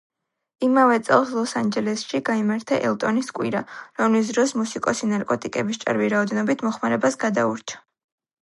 იმავე წელს ლოს-ანჯელესში გაიმართა „ელტონის კვირა“, რომლის დროს მუსიკოსი ნარკოტიკების ჭარბი რაოდენობით მოხმარებას გადაურჩა.